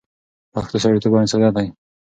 پښتو سړیتوب او انسانیت دی